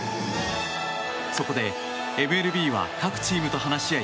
そこでＭＬＢは各チームと話し合い